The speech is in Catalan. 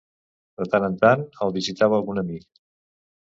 De tant en tant, el visitava algun amic.